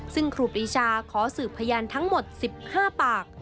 ซึ่งครูปรีชาขอสืบพยานทั้งหมด๑๕ปาก